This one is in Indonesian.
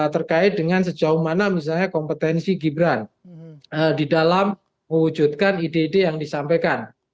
terkait dengan sejauh mana misalnya kompetensi gibran di dalam mewujudkan ide ide yang disampaikan